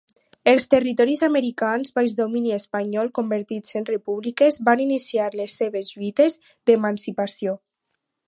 Els territoris americans baix domini espanyol, convertits en Repúbliques, van iniciar les seves lluites d'emancipació.